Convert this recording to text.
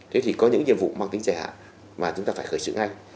thế thì có những nhiệm vụ mang tính giải hạn mà chúng ta phải khởi sự ngay